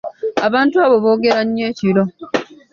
Abantu abo boogera nnyo ekiro.